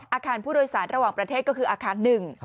อาคารผู้โดยสารระหว่างประเทศก็คืออาคารหนึ่ง